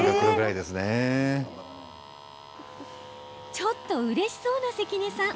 ちょっとうれしそうな関根さん。